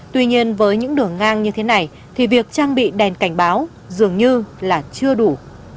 tuy nhiên với những đường ngang như thế này thì việc trang bị đèn cảnh báo dường như là chưa đủ